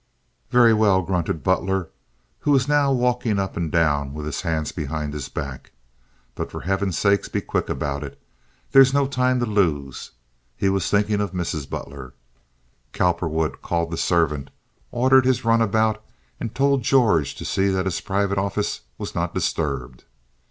"Very well," grunted Butler, who was now walking up and down with his hands behind his back. "But for Heaven's sake be quick about it. There's no time to lose." He was thinking of Mrs. Butler. Cowperwood called the servant, ordered his runabout, and told George to see that his private office was not disturbed.